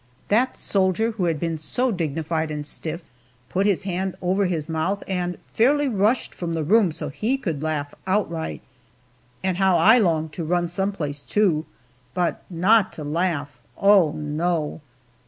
That soldier, who had been so dignified and stiff, put his hand over his mouth and fairly rushed from the room so he could laugh outright. And how I longed to run some place, too but not to laugh, oh, no!